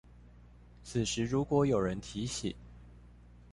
此時如果有人提醒